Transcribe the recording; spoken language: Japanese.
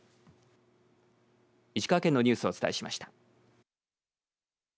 石川県のニュースをお伝えしました。